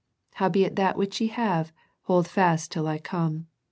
Howbeit that which ye have, hold fast till I come.